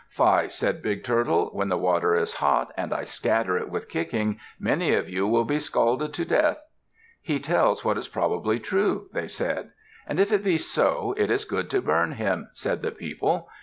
"Fie!" said Big Turtle. "When the water is hot and I scatter it with kicking, many of you will be scalded to death." "He tells what is probably true," they said. "And if it be so, it is good to burn him," said the people.